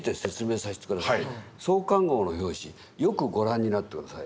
創刊号の表紙よくご覧になって下さい。